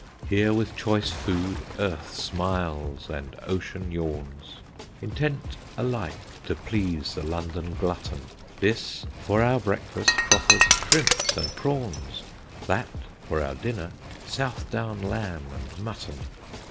Here with choice food earth smiles and ocean yawns, Intent alike to please the London glutton; This, for our breakfast proffers shrimps and prawns, That, for our dinner, South down lamb and mutton.